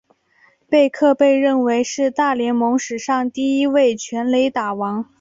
贝克被认为是大联盟史上第一位全垒打王。